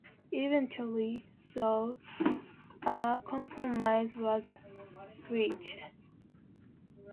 Eventually, though, a compromise was reached.